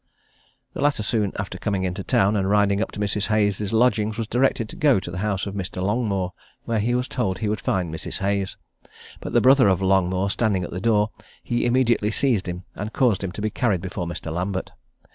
The latter soon after coming into town and riding up to Mrs. Hayes' lodgings, was directed to go to the house of Mr. Longmore, where he was told he would find Mrs. Hayes; but the brother of Longmore standing at the door, he immediately seized him, and caused him to be carried before Mr. Lambert.